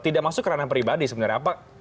tidak masuk ke ranah pribadi sebenarnya